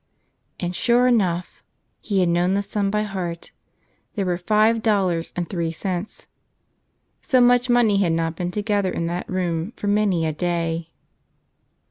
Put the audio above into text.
And, sure enough ! he had known the sum by heart. There were five dollars and three cents. So much money had not been together in that room for many a day.